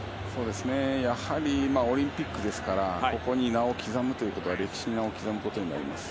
やはりオリンピックですから、ここに名を刻むということは歴史に名を刻むことになります。